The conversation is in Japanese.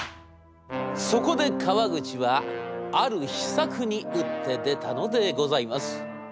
そこで川口はある秘策に打って出たのでございます。